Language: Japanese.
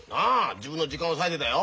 自分の時間を割いてだよ